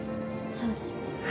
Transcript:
そうですね。